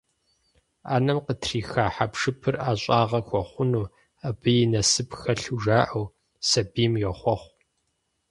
Ӏэнэм къытриха хьэпшыпыр ӀэщӀагъэ хуэхъуну, абы и насып хэлъу жаӀэу, сабийм йохъуэхъу.